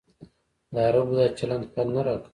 د عربو دا چلند خوند نه راکوي.